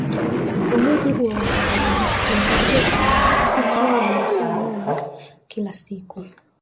Kwa mujibu wa wataalamu unatakiwa kulala si chini ya saa nane kila siku